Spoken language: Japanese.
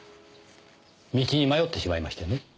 道に迷ってしまいましてね。